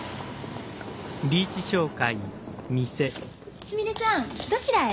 すみれさんどちらへ？